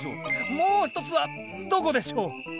もうひとつはどこでしょう？